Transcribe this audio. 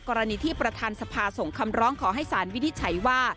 กรณีที่ประธานสภาส่งคำร้องขอให้สารวินิจฉัยว่า